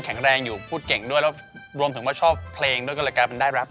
แข็งแรงอยู่พูดเก่งด้วยแล้วรวมถึงว่าชอบเพลงด้วยก็เลยกลายเป็นได้รับ